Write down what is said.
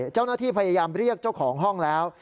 เจ้าหน้าที่พยายามเรียกเจ้าของห้องแล้ว